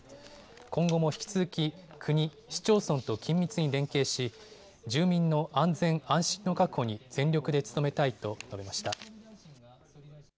今後も引き続き国、市町村と緊密に連携し、住民の安全、安心の確保に全力で努めたいと述べました。